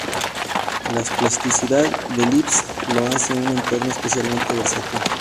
La plasticidad de lisp, lo hace un entorno especialmente versátil.